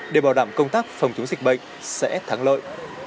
để bảo đảm công tác phòng chống dịch bệnh sẽ thắng lợi